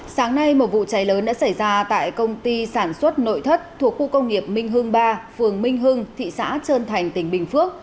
sáng nay một vụ cháy lớn đã xảy ra tại công ty sản xuất nội thất thuộc khu công nghiệp minh hưng ba phường minh hưng thị xã trơn thành tỉnh bình phước